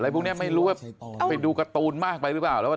พวกนี้ไม่รู้ว่าไปดูการ์ตูนมากไปหรือเปล่าแล้ว